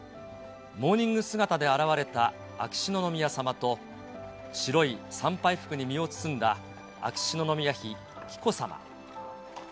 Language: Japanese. モーニング姿で現れた秋篠宮さまと白い参拝服に身を包んだ秋篠宮妃紀子さま。